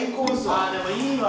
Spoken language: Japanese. ああでもいいわ。